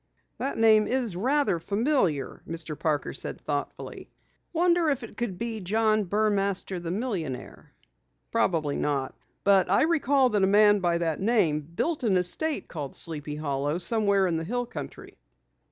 "That name is rather familiar," Mr. Parker said thoughtfully. "Wonder if it could be John Burmaster, the millionaire? Probably not. But I recall that a man by that name built an estate called Sleepy Hollow somewhere in the hill country."